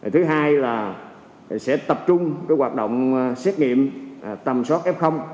thứ hai là sẽ tập trung hoạt động xét nghiệm tầm soát f